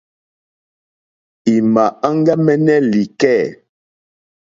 Ì mà áŋɡámɛ́nɛ́ lìkɛ̂.